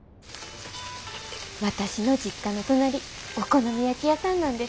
私の実家の隣お好み焼き屋さんなんです。